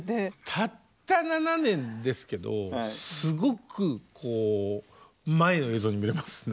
たった７年ですけどすごく前の映像に見えますね。